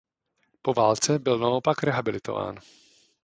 Po válce byl naopak rehabilitován.